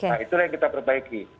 nah itulah yang kita perbaiki